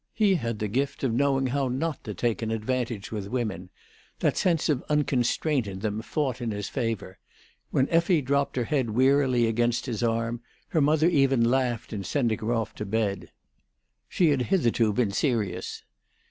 He had the gift of knowing how not to take an advantage with women; that sense of unconstraint in them fought in his favour; when Effie dropped her head wearily against his arm, her mother even laughed in sending her off to bed; she had hitherto been serious.